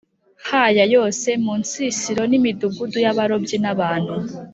ha ya yose mu nsisiro n imidugudu y abarobyi n abantu